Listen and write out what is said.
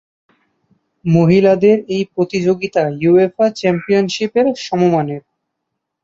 মহিলাদের এই প্রতিযোগিতা উয়েফা চ্যাম্পিয়নশিপ এর সমমানের।